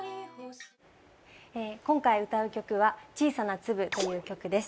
今回歌う曲は『小さな粒』という曲です。